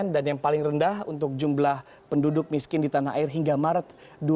dan yang paling rendah untuk jumlah penduduk miskin di tanah air hingga maret dua ribu delapan belas